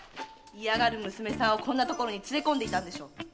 嫌がる娘さんをこんな所に連れ込んでいたんでしょう？